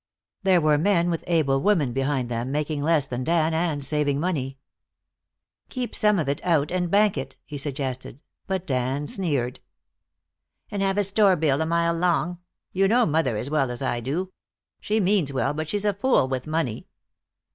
There were men, with able women behind them, making less than Dan and saving money. "Keep some of it out and bank it," he suggested, but Dan sneered. "And have a store bill a mile long! You know mother as well as I do. She means well, but she's a fool with money."